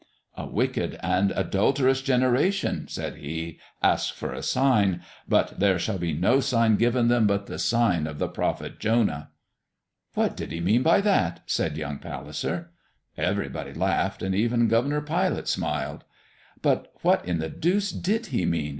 'A wicked and adulterous generation,' said He, 'ask for a sign, but there shall be no sign given them but the sign of the prophet Jonah.'" "What did He mean by that?" said young Palliser. Everybody laughed, and even Governor Pilate smiled. "But what in the deuce did He mean?"